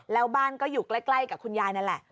แล้วบ้านก็อยู่ใกล้กับคุณยายนั่นแหละ